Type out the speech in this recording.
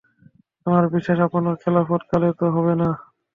আমার বিশ্বাস, আপনার খেলাফত কালে তা হবে না।